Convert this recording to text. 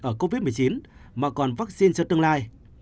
ở covid một mươi chín mà còn vaccine cho tương lai